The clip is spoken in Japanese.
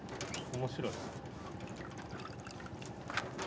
面白い。